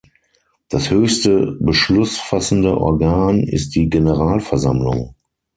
Das höchste beschlussfassende Organ ist die Generalversammlung.